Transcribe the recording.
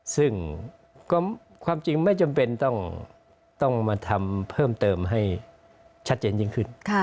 ซึ่งความจริงไม่จำเป็นต้องมาทำเพิ่มเติมให้ชัดเจนยิ่งขึ้น